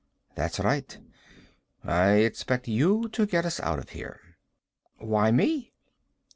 "That's right. I expect you to get us out of here." "Why me?"